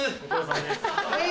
はい！